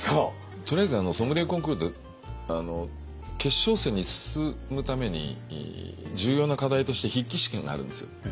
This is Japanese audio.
とりあえずソムリエコンクールで決勝戦に進むために重要な課題として筆記試験があるんです。